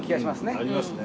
うんありますね。